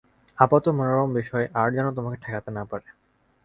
আপাত-মনোরম বিষয় আর যেন তোমাকে ঠকাতে না পারে।